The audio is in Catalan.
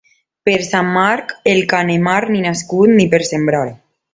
Per Sant Marc, el canemar ni nascut ni per sembrar.